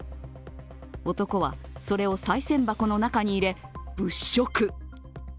男は、それをさい銭箱の中に入れ物色。